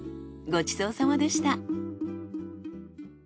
ごちそうさまでした。